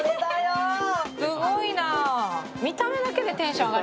すごいな。